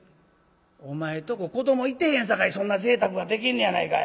「お前とこ子どもいてへんさかいそんなぜいたくができんねやないかい」。